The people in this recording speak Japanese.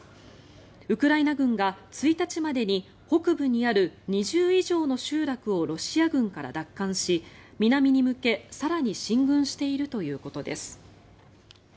ウクライナ軍が１日までに北部にある２０以上の集落をロシア軍から奪還し南に向け、更に進軍しているということです。